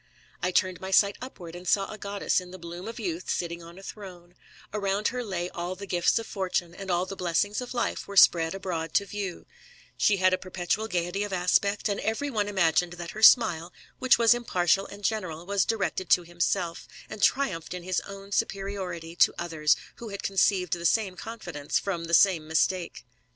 I turned my sight upward, and saw a goddess in the bloom of youth sitting on a throne : around her lay all the gifts of fortune, and all the blessings of life were spread abroad to view ; she had a perpetual gaiety of aspect, and every one imagined that her smile, which was impartial and general, was directed to himself, and triumphed in his own superiority to others, who had conceived the same confidenoe from the same mistake.